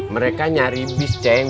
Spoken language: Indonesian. mereka nyari bis ceng